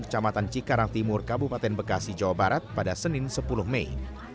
kecamatan cikarang timur kabupaten bekasi jawa barat pada senin sepuluh mei